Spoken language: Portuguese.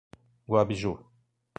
Guabiju